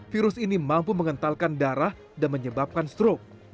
virus ini mampu mengentalkan darah dan menyebabkan stroke